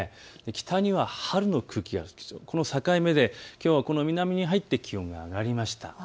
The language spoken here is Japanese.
北には春の空気がこの境目で南に入って気温が上がりました。